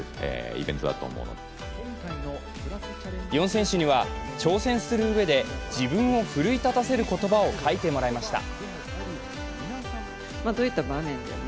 ４選手には、挑戦するうえで自分を奮い立たせる言葉を書いてもらいました。